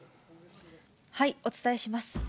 お伝えします。